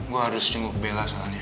gue harus jenguk bela soalnya